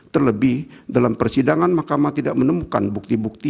terlebih dalam persidangan mahkamah tidak menemukan bukti bukti